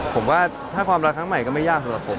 ผมว่าความรักทั้งใหม่ก็ไม่ยากแล้วผม